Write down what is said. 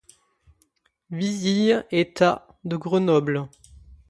Vizille est à de Grenoble.